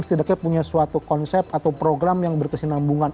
setidaknya punya suatu konsep atau program yang berkesinambungan